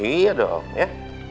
iya dong ya